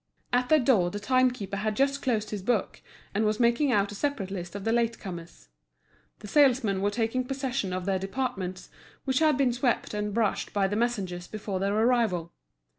At the door the time keeper had just closed his book, and was making out a separate list of the late comers. The salesmen were taking possession of their departments, which had been swept and brushed by the messengers before their arrival.